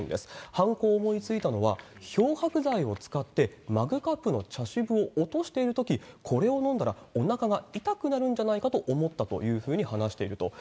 犯行を思いついたのは漂白剤を使って、マグカップの茶渋を落としているとき、これを飲んだらおなかが痛くなるんじゃないかと思ったというふうに話していると。